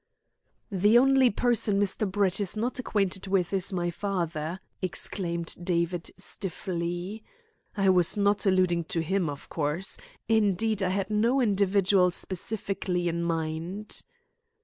"The only person Mr. Brett is not acquainted with is my father," exclaimed David stiffly. "I was not alluding to him, of course. Indeed, I had no individual specially in my mind."